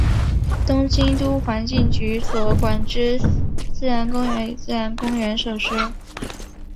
东京都环境局所管之自然公园与自然公园设施。